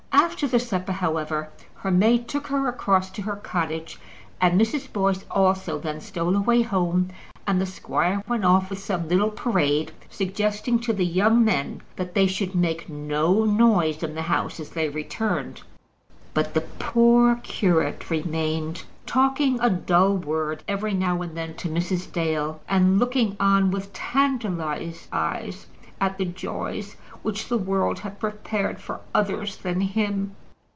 After the supper, however, her maid took her across to her cottage, and Mrs. Boyce also then stole away home, and the squire went off with some little parade, suggesting to the young men that they should make no noise in the house as they returned. But the poor curate remained, talking a dull word every now and then to Mrs. Dale, and looking on with tantalized eyes at the joys which the world had prepared for others than him.